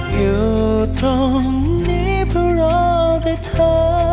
อยู่ตรงนี้เพราะรอได้เธอ